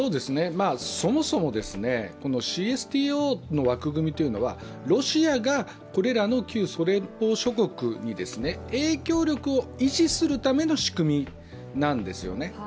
そもそも、ＣＳＴＯの枠組みというのはロシアがこれらの旧ソ連邦諸国に影響力を維持するための仕組みなんですね。